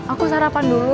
aku sarapan dulu